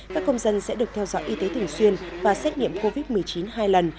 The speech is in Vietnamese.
các công dân sẽ được theo dõi y tế thường xuyên và xét nghiệm covid một mươi chín hai lần